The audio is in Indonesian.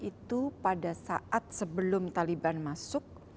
itu pada saat sebelum taliban masuk